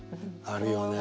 あるよね